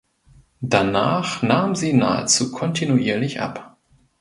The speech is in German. Danach nahm sie nahezu kontinuierlich ab.